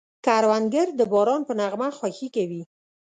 کروندګر د باران په نغمه خوښي کوي